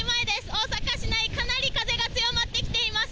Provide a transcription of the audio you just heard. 大阪市内、かなり風が強まってきています。